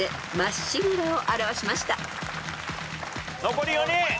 残り４人。